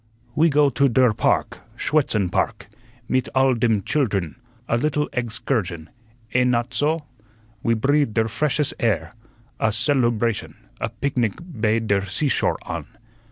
"We go to der park, Schuetzen Park, mit alle dem childern, a little eggs kursion, eh not soh? We breathe der freshes air, a celubration, a pignic bei der seashore on.